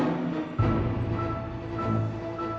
aku percaya sama tuhan